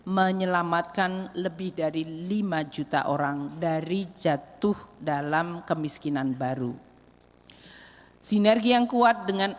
menyelamatkan lebih dari lima juta orang dari jatuh dalam kemiskinan baru sinergi yang kuat dengan